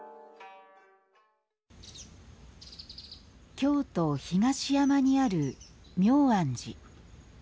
京都・東山にある明暗寺。